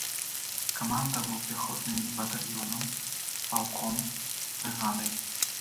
Камандаваў пяхотнымі батальёнам, палком, брыгадай.